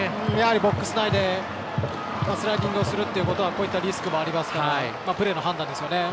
ボックス内でスライディングをするということはこういったリスクがありますからプレーの判断ですよね。